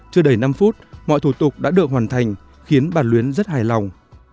chưa đầy năm phút mọi thủ tục đã được hoàn thành khiến bà luyến rất hài lòng